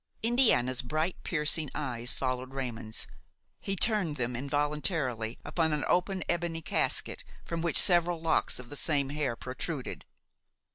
Indiana's bright piercing eyes followed Raymon's. He turned them involuntarily upon an open ebony casket from which several locks of the same hair protruded.